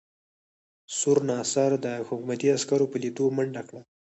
سور ناصر د حکومتي عسکرو په لیدو منډه کړه.